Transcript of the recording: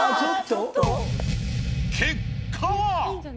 結果は？